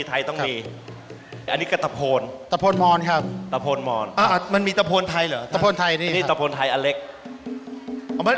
อันนี้กองแขกนะดนตรีไทยต้องมี